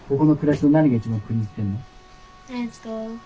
えっと